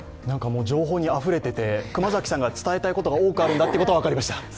情報にあふれてて、熊崎さんが伝えたいことが多くあるんだということは分かりました。